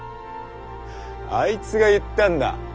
あいつが言ったんだ！